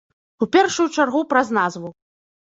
У першую чаргу праз назву.